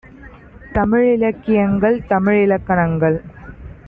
தமிழிலக் கியங்கள் தமிழிலக் கணங்கள்